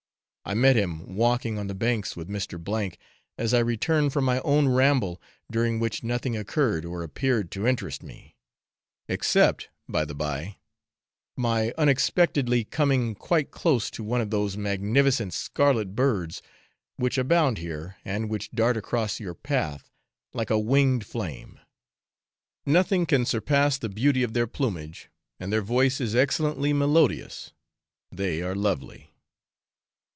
I met him walking on the banks with Mr. , as I returned from my own ramble, during which nothing occurred or appeared to interest me except, by the by, my unexpectedly coming quite close to one of those magnificent scarlet birds which abound here, and which dart across your path, like a winged flame. Nothing can surpass the beauty of their plumage, and their voice is excellently melodious they are lovely.